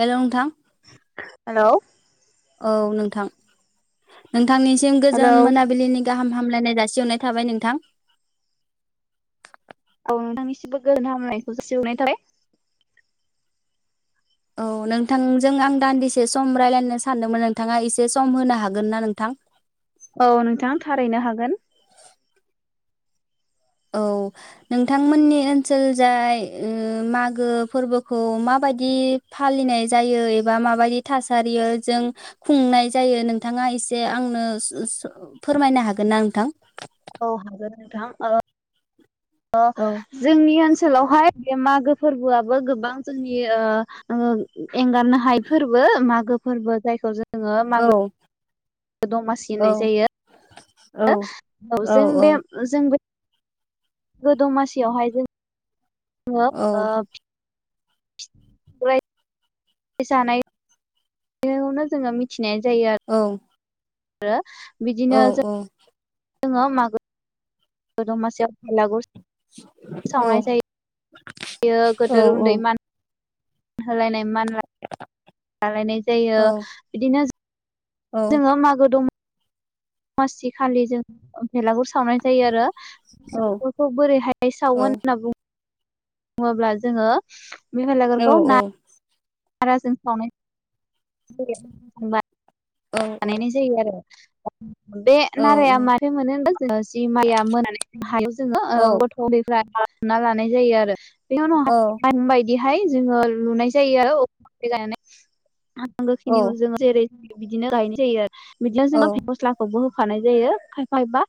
Hello नोंथां hello औ नोंथां नोंथांनिसिम हेलौ गोजोन औ मोनाबिलिनि गाहाम हामलायनाय जासिहरनाय थाबाय नोंथां। औ नोंथांनिसिमबो गोजोन हामलानायखौ जासिहरनाय थाबाय। औ नोंथांजों आं दान्दिसे सम रायलायनो सानदोंमोन, नोंथाङा एसे सम होनो हागोन ना नोंथां? औ नोंथां थारैनो हागोन। औ नोंथांमोननि ओनसोल जाय उम मागो फोरबोखौ मा बायदि फालिनाय जायो एबा माबायदि थासारियोजों खुंनाय जायो नोंथाङा मा एसे आंनो [unintelligible] फोरमायनो हागोन ना नोंथां? औ हागोन नोंथां ओ ओ औ जोंनि ओनस सोलावहाय बे मागो फोरबोआबो गोबां जोंनि ओ ओ एंगारनो हाय फोरबो। ओ मागो फोरबो जायखौ जोङो मागो औ दमासि औ होननाय जायो औ ओ औ जों बे जोंबो गो दमासियावहाय जों ङो ओ औ फि [unintelligible] जानाय बेयावनो जोङो मिथिनाय जायो आ रो औ औ जोङो मागो दमासियाव बेलागुर औ बेयो औ गोदोर औ उन्दै मान होलायनाय मान लालायनाय जायो औ बिदिनो औ जोङो मागो दम मासि खालि जों बेलागुर सावनाय जायो आरो औ बेफोरखौ बोरैहाय औ सावो होनना बुं बुङोब्ला जोङो बे औ भेलागरखौ ना नाराजों सावनाय [unintelligible] औ बानायनाय जायो आरो बे औ नाराया मारै मोनो होना जोङो जि माया मोननानै हायो जोङो ओ औ गथ' उन्दैफ्रा ना लानाय जायो आरो बेनि उनाव औ [unintelligible] बिदिहाय जोङो लुनाय जायो [unintelligible] नांगोखिनिखौ जोङो जेरै बिदिनो गायनाय जायो बिदिनो जोङो मस्लाखौबो होफानाय जायो खायफाबा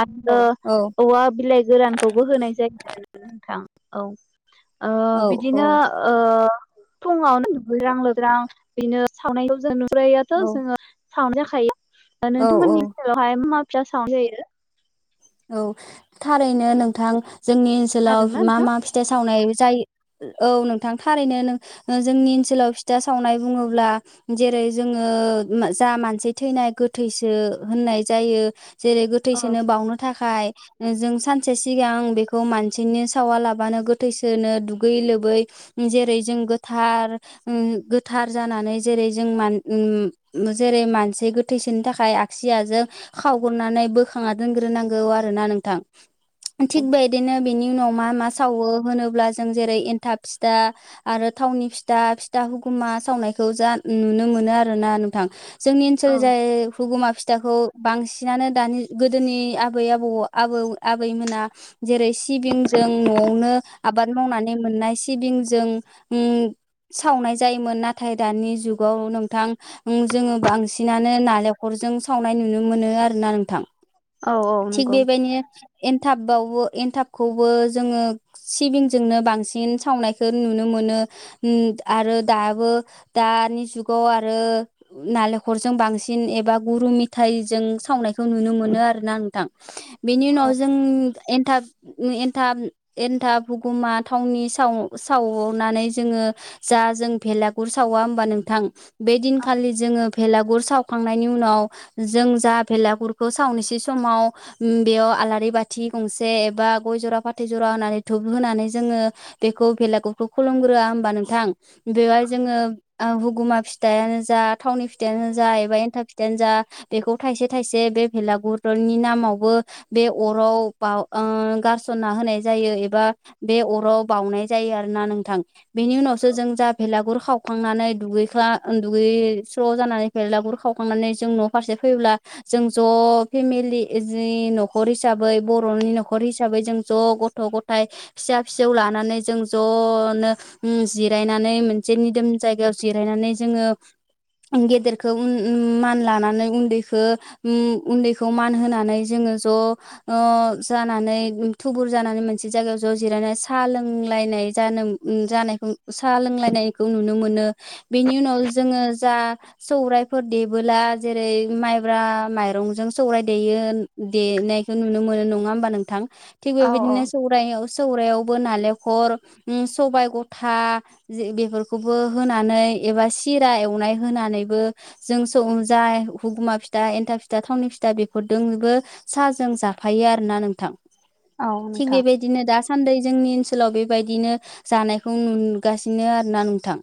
आरो औ औवा बिलाइ गोरानखौबो होनाय जायो आरो नोंथां औ ओ औ बिदिनो ओ फुङावनो दुगैस्रां लोब्रां बेनो सावनायखौ जों नुु [unintelligible] सावनाय जाखायो नोंथांमोननि औ ओनसोलावहाय मा मा फिथा सावनाय जायो औ थारैनो नोंथां जोंनि ओनसोलाव खोनादोंना मा नोंथां? मा फिथाइ सावनाय जायो औ नोंथां थारैनो ओ जोंनि ओनसोलाव फिथा सावनाय बुङोब्ला जेरै रै जोङो म जा मानसि थैनाय गोथैसो होननाय जायो जेरै औ गोथैसोनो बावनो खाय जों सानसे सिगां बेखौ मानसिनि सावा लाबानो गोथैसोनो दुगै लो लोबै जेरै जों गोथार - उम गोथार जानानै जेरै जों मान उम जेरै मानसि गोथैसोनि थाखाय आगसियाजों खावग्रोनानै बोखाांना दोनग्रोनां गौ आरो ना नोंथां थिग बिदिनो बिनि उनाव मा मा सावो होनोब्ला जों जेरै एन्थाब फिथा आरो थावनि फिथा फिथा हुगुमा ना सावनायखौ जा नुनो मोनो आरोना थां जोंनि औ ओनसोलजाय हुगुमा फिथाखौ बांसिनानो दानि गोदोनि आ आबै आबौ आबौ आबैमोना जेरै सिबिंजों न'आवनो आबाद मावनानै मोननाय सिबिंजों उम् सावनाय जायोमोन नाथाय दानि जुगाव नोंथां उम जोङो बांसिनानो नालेखर जों सावनाय नुनो मोनो आरोना नोंथां औ औ थिक नंगौ। बेबायदिनो एन्थाबावबो एनथाबखौबो जोङो सिबिंजोंनो बांसिन सावनायखो नुनो मोनो उम आरो दाबो दानि जुगाव आरो नालेखरजों बांसि सिन एबा गुरु मिथायइजों सावनायखौ नुनो मोनो आरोना नोंथां बेनि औ उनाव जों एथाब ओ एन्थाब-एन्थाब हुगुमा थावनि साव-सावनानै जोङो जा जों भेलागुर सावा होमबा नोंथां बे दिनखालि जोङो भेलागुर सावखांनायनि उनाव जों जा भेलागुरखो सावनोसै समाव बेयाव आलारि बाथि गंसे एबा गय जरा फाथै जरा होनानै धुप होनानै जोङो बेखौ भेलागुरखौ खुलुमग्रोआ होमबा नोंथां बेवहाय जोङो ओ हुगुमा फिथाइयानो जा थावनि फिथायाइयानो जा एबा एन्थाब फिथाइयानो जा बेखौ थाइसे थाइसे बे भेलागुरनि नाम आवबो बे अराव बाव ओ गारसना होनाय जायो एबा बे अराव बा वनाय जायो आरो ना नोंथां बे उावसो जों जा भेलागुर खावखांनानै दुगैख्ला ओं दुगैस्र' जानानै फलागुर खावखांनानै जों न' फारसे फैयोब्ला जों ज' फेमिलि जि न'खर हिसाबै बर'नि न'खर हिसाबै जों ज' गथ' गथाय फिसा फिसौ ला लानानै जों ज'नो उम जिरायनानै मोनसे निदोम जायगायाव जिरायनानै जोङो गेदेरखौ मान लानानै उन्दैखो-उन्दैखौ मान होना नै जोङो ज' ओ जानानै थुबुर जानानो मोनसे जागायाव ज जिरायना लों लायनाय जनों ओ जानायखौ सा लोंलायनायखौ नुनो मोनो बेनि उनाव जोङो जा सौरायफोर देबोला जेरै माइब्रा माइरंजों सौराय देयो देनायखो नुनो मोनो नुवा होमबा नोंथां थि औ बेबायदिनो सौरायाव सौरयावबो नालेखल उम सबाय गथा जे बेफोरखौबो होनानै एबा सिरा एवनाय होनानैबो [unintelligible] हुगुमा फिथा एन्था फिथा थावनि फिथा बेफोरदोंबो साजों जाफायो आरोना नोंथां औ थिग नोंथां बेबायदिनो दा सान्दै जोंनि ओनसोलाव बेबायदिनो जानायखौ नुगासिनो आरो ना नोंथां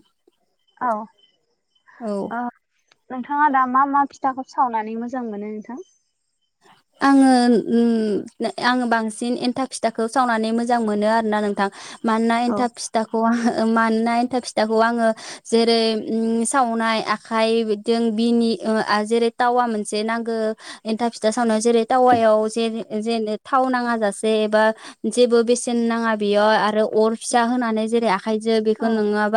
औ औ ओ नोंथाङा दा मा मा फिथाखो सावनानै मोजां मोनो नोंथां आङो [unintelligible] आङो बांसिन एन्था फिथाखौ सावनानै मोजां मोनो आरोना नोंथां मानोना औ एन्थाब फिथाखौ [inaudible] फिथाखौ आङो जेरै उम सावनाय आखाइजों बिनि ओ आ जेरै टावा मोनसे नांगो एन्था फि फिथा सावनो जेरै टावायाव जे जे थाव नाङा जासे एबा जेबो बेसेन नाङा, बेयाव आरो अर फिसा होनानै जेरै आखाइजो बेखो औ नङा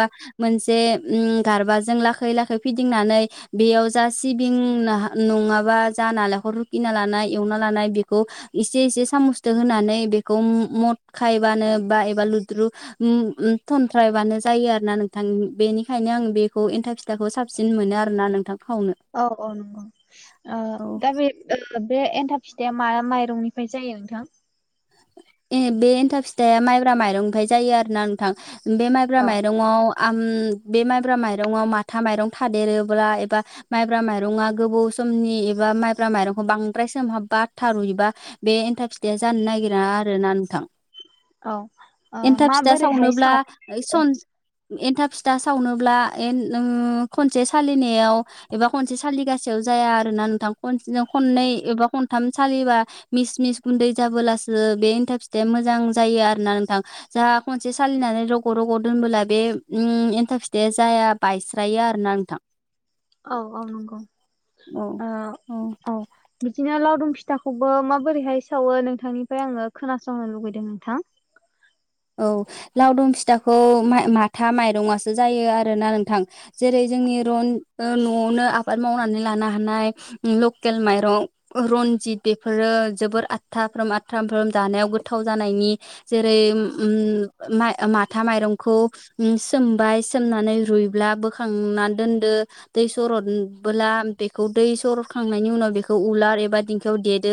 मोनसे उम गारबा जों लाखै लाखै फिदिंनानै बेयाव जा सिबिं नाहा-नङाबा जा नालेखर रु गिना लानाय एवना लानाय बेखौ इसे इसे सामुसदो होनानै ओ बेखौ मदखायबानो, बा एबा लुद्रु उम थन्थ्रायबानो जायो आरो ना नोंथां बेनिखायनो आं बेखौ, एन्था फिथाखौ साबसिन मोनो आरो ना नोंथां, खावनो औ औ नोंगौ ओ औ दा बे ओ, बे एन्थाब फिथाइया मा माइरंनिफ्राय जायो नोंथां, ए बे एन्थाब फिथाइया माइब्रा माइरंनिफ्राय जायो? आरो ना नोंथां, बे माइब्रा औ माइरंआव आम बे माइब्रा माइरंआव माथा माइरं थादेरोब्ला एबा माइब्रा माइरङा गोबौ समनि एबा माइब्रा माइरंखौ बांद्राय सोमहाबबा थारुयोबा बे एन्थाब फिथाइ जानो नागिर रा आरोना नोंथां औ ओ एन्थाब फिथा माबोरैहाय सावनोब्ला सावो सन एन्था फिथा सावनोब्ला एन नों खनसे सालिनायाव एबा खनसे सालिगासेयाव, जाया आरो ना नोंथां खनसेनो खननै एबा खथाम सालिबा मिस मिस गुन्दै जाबोला ओ एन्थार फिथाइया मोजां जायो आरो ना नोंथां जाहा खनसे सालिनानै रग' रग' दोनबोला बे, उम एन्थाब फिथाइया जाया बायस्रायो आरोना नोंथां, औ औ नोंगौ औ ओ औ बिदिनो ओ लावदुम फि फिथाखौबो माबोरैहाय सावो नोंथांनिफ्राय आङो खोनासंनो लुुबैदों नोंथां, औ लावदुम फिथाखौ माय माथा माइरंआसो जायो आरोना नोंथां जेरै जोंनि रन ओ न'आवनो आबाद मावनानै लानो हानाय लकेल माइरं ओ रन रनजित बेफोरो जोबोर आदथा फ्रोम [unintelligible] जानायाव गोथाव जानायनि जेरै ओम माथा माइरंखौ सोमबाय सोमनानै रुइब्ला बोखां ना दोनदो दै सर'बोला बेखौ दैसरखांनायनि उनाव बेखौ उलार एबा दिं दिंखियाव देदो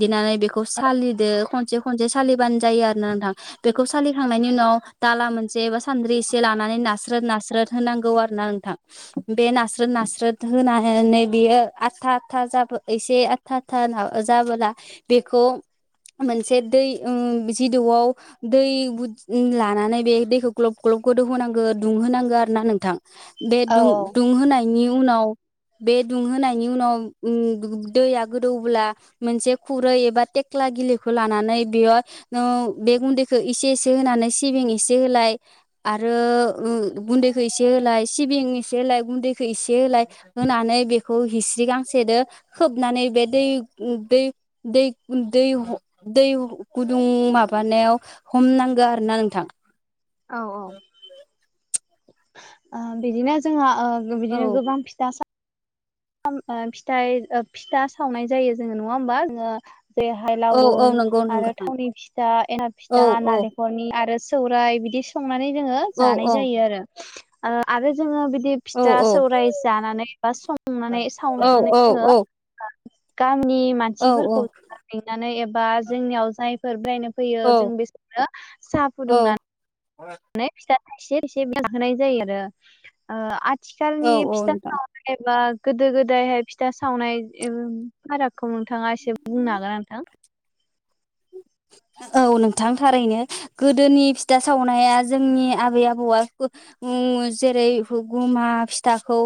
देनानै बेखौ सालिदो खनसे खनसे सालिबानो जायो आरो ना नोंथां, बेखौ सालिखांनायनि उनाव दाला मोनसे एबा सान्द्रि एसे लानानै नास्रोद नास्रोद होनांगौ आरो ना नोंथां बे नास्रोद नास्रोद होनानै बियो आदथा आदथा जाबो एसे आथा था जाबोला बेखौ मोनसे दै उ जिदुआव दै बुद लानानै बे दैखौ ग्लब ग्लब गोदौ होनांगौ दुंहोनांगौ आरो ना नोंथां, बे औ दुं औ दुंहोनायनि उनाव, बे दुंहोनायनि उनाव ओ दैया गोदौब्ला मोनसे खुरै एबा थेख्ला गिलिखौ लानानै बेयाव नों बे गुन्दै खो एसे एसे होनानै सिबिं एसे होलाय आरो ओ गुन्दै होलाय सि सिबिं एसे होलाय गुन्दैखौ इसे होलाय होनानै बेखौ हिस्रि गांसेजों खोबनानै बे दै दै दै गुदुं माबानायाव, हमनांगौ आरो ना नोंथां, औ औ बिदिनो जोंहा, ओ बिदिनो औ गोबां फिथा सा खाम ओ फिथाइ फिथा सावनाय जायो जोङो नङा होमबा जोङो, जेरैहाय औ औ लावरुं नंगौ नंगौ आरो थां थावनि फिथा ए औ फिथा औ नालेंखरनि आरो सौराय बिदि संनानै जोङो औ जानाय औ जायो आरो ओ आरो जों बि बिदि औ फिथा सौराय जानानै बा संनानै औ सावनानै जोङो गामिनि औ मानसिफोरखौ लिंनानै एबा जोंनियाव जायफोर बेरायनो फैयो जों औ बेसोरनो साहा फुदुंनानै फिथा एसे एसे बिहोनाय जायो आरो ओ आथिखालनि औ औ फिथा नोंथां [unintelligible] गोदो गोदायहाय फिथा सावनाय फारागखौ नोंथाङा एसे बुंनो हागोन नोंथां? औ नोंथां थारैनो गोदोनि फिथा सावनाया जोंनि आबै आबौआ [unintelligible] जेरै हगुमा फिथाखौ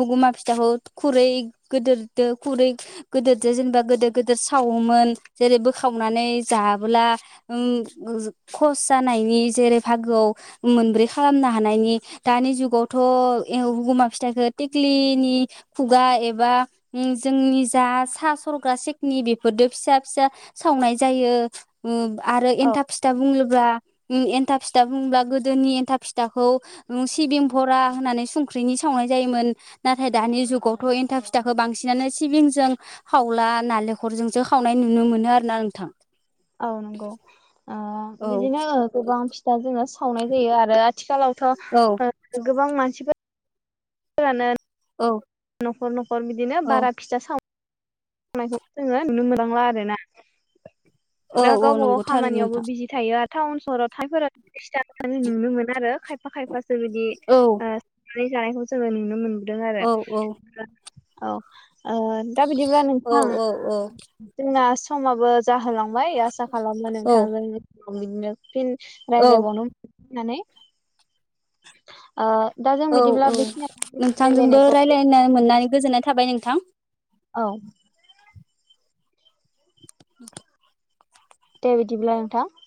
हुगुमा फिथाखौ खुरै गोदोरदो खुरै गोदोरदो जेनेबा गोदिर गिदिर सावोमोन जेरै बोखावनानै, जाबला उम खस जानायनि जेरै बाहागोआव मोनब्रै खालामना हानायनि दानि जुगाव थ' एव हुगुमा फिथाखो टेत्लिनि खुगा एबा बा जोंनि जा सा सरग्रा सेखनि बेफोरजों फिसा फिसा सावनाय जायो । ओ आरो औ एनथाब फिथा बुंङोब्ला उम्म एनथाब फि दा बुङोब्ला गोदोनि एन्था फिथाखौ उम्म सिबिं भ'रा होननानै संख्रिनि सावनाय जायोमोन । नाथाय दानि जुगावथ एन्था फिथाखौ बांसिनानो सिबिंजों खावला नालेंखरजोंसो खावनाय नुनो मोनो आरोना नोंथां । औ नंगौ ओ औ बिदिनो गोबां फिथा जोङो सावनाय जायो आरो आ औ आथिखालावथ गोबां मानसिफोर फोरानो औ । न'खर न'खर बिदिनो बारा फिथा साव नायखौ जोङो नुनो मोनबांला आरोना । औ दा औ गावबावाव नंगौ थारै खामानियावबो नोंथां बिजि थायो आरो टाउन सहराव थाइफोरा [unintelligible] नुनो मोना आरो । खायफा खायफासो बिदि औ ओ संनानै जानायखौ जोङो नुनो मोनबोदों आरो औ औ । औ ओ दा बिदिब्ला नों औ औ औ । जोंना समाबो जाहोलांबाय आसा खालामो औ नोंथां बिदिनो फिन औ रायज्लायबावनो [unintelligible] होननानै ओ दा जों औ बिदिब्ला औ बेखिनि नोंथांजोंबो रायलायनायखौ राय्लायनो मोननानै गोजोननाय थाबाय नोंथां । औ । औ दे बिदिब्ला नोंथां ।